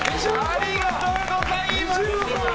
ありがとうございます！